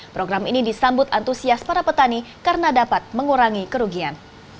program ini disambut antusias para petani karena dapat mengurangi kerugian